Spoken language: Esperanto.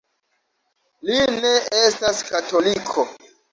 Li ne estas katoliko.